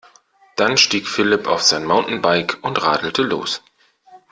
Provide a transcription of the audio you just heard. Dann stieg Philipp auf sein Mountainbike und radelte los.